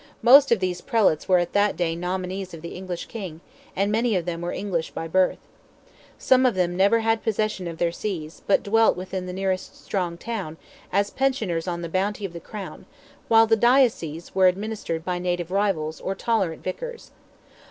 Most of these prelates were at that day nominees of the English King, and many of them were English by birth. Some of them never had possession of their sees, but dwelt within the nearest strong town, as pensioners on the bounty of the Crown, while the dioceses were administered by native rivals, or tolerated vicars.